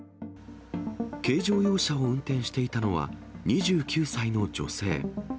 軽乗用車を運転していたのは、２９歳の女性。